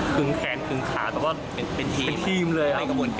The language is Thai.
ถึงแขนถึงขาแต่ว่าเป็นทีมเลย